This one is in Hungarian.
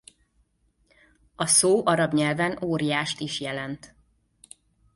A szó arab nyelven óriást is jelent.